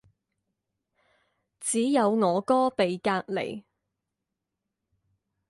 只有我哥被隔離